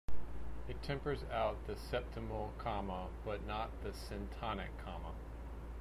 It tempers out the septimal comma but not the syntonic comma.